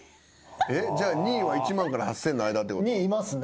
じゃあ２位は１万から８，０００の間ってこと？にいますね。